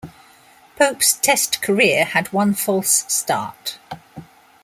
Pope's Test career had one false start.